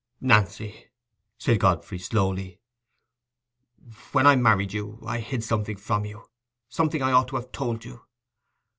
"Nancy," said Godfrey, slowly, "when I married you, I hid something from you—something I ought to have told you.